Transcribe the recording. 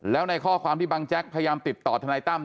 แล้วในข้อความที่บังแจ๊กพยายามติดต่อทนายตั้ม